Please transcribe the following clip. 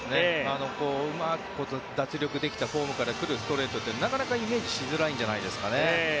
うまく脱力できたフォームから来るストレートってなかなかイメージしづらいんじゃないですかね。